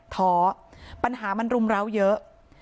ท้อปัญหามันรุมร้าวเยอะ